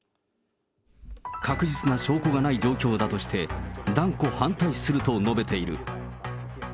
確実な証拠がない状況だとして、断固反対すると述べている。